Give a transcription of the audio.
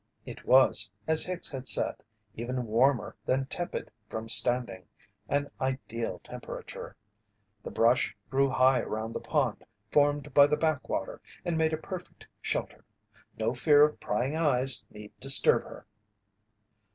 It was, as Hicks had said, even warmer than tepid from standing an ideal temperature. The brush grew high around the pond formed by the back water and made a perfect shelter. No fear of prying eyes need disturb her.